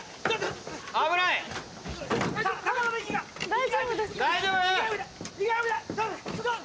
大丈夫ですか？